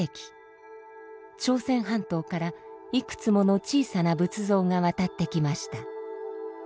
朝鮮半島からいくつもの小さな仏像が渡ってきました。